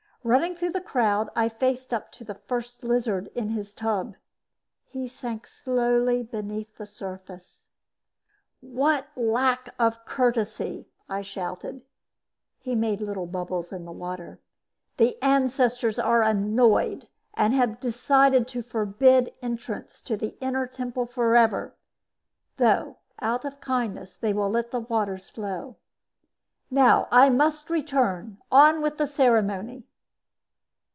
Running through the crowd, I faced up to the First Lizard in his tub. He sank slowly beneath the surface. "What lack of courtesy!" I shouted. He made little bubbles in the water. "The ancestors are annoyed and have decided to forbid entrance to the Inner Temple forever; though, out of kindness, they will let the waters flow. Now I must return on with the ceremony!"